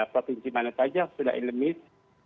provinsi mana saja sudah elemis